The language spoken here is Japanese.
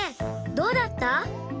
どうだった？